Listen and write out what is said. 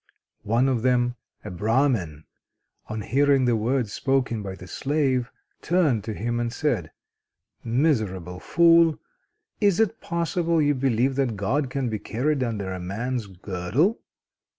One of them, a Brahmin, on hearing the words spoken by the slave, turned to him and said: "Miserable fool! Is it possible you believe that God can be carried under a man's girdle?